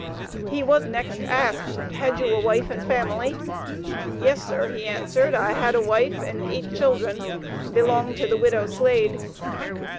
He was next asked, "Had you a wife and family?" "Yes, sir,". he answered, "I had a wife and eight children, belonged to the widow Slade."